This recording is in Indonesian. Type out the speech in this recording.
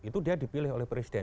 itu dia dipilih oleh presiden